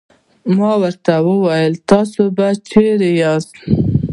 ما ورته وویل: تاسې به چیرې یاست؟